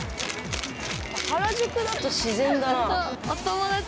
原宿だと自然だなあ。